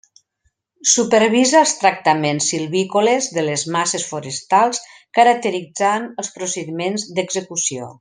Supervisa els tractaments silvícoles de les masses forestals caracteritzant els procediments d'execució.